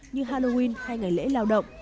như halloween hay ngày lễ lao động